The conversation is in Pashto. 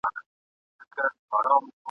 خدا زده چا کاروان سالار دی تېر ایستلی !.